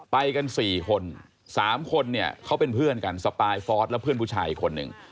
ไปกัน๔คน๓คนเนี่ยเขาเป็นเพื่อนกันสปายฟอร์สและเพื่อนผู้ชายอีกคนหนึ่ง